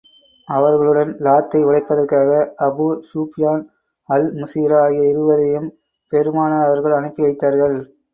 அவர்களுடன் லாத்தை உடைப்பதற்காக அபூ ஸுப்யான், அல் முசீரா ஆகிய இருவரையும் பெருமானார் அவர்கள் அனுப்பி வைத்தார்கள்.